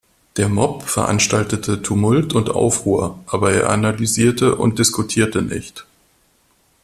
Der Mob veranstaltete Tumult und Aufruhr, aber er analysierte und diskutierte nicht.